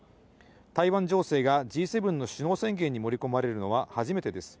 台湾情勢がＧ７の首脳宣言に盛り込まれるのは初めてです。